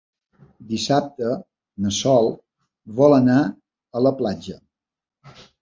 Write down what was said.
Dissabte na Sol vol anar a la platja.